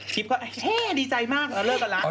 กิ๊บก็แห้ดีใจมากแล้วเลิกกันแล้ว